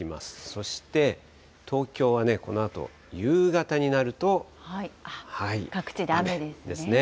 そして、東京はこのあと夕方にな各地で雨ですね。